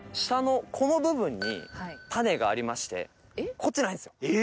こっちないんですよ。